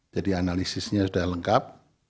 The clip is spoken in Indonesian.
jadi analisisnya sudah lengkap